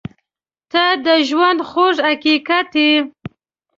• ته د ژونده خوږ حقیقت یې.